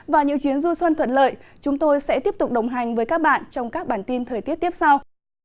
và những chuyến du xuân thuận lợi chúng tôi sẽ tiếp tục đồng hành với các bạn trong các bản tin thời tiết tiếp sau